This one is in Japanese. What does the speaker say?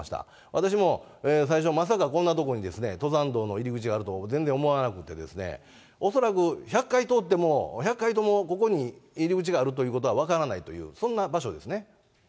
私も最初、まさかこんな所に登山道の入り口があると全然思わなくて、恐らく、１００回通っても、１００回ともここに入り口があるということは分からないという、そんな場所ですね。